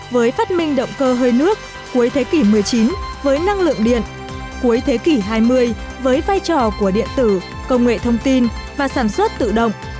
với phát minh động cơ hơi nước cuối thế kỷ một mươi chín với năng lượng điện cuối thế kỷ hai mươi với vai trò của điện tử công nghệ thông tin và sản xuất tự động